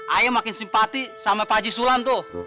ayah makin simpati sama pak haji sulam tuh